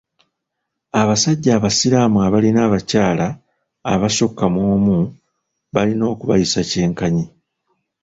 Abasajja abasiraamu abalina abakyala abasukka mu omu balina okubayisa kyenkanyi.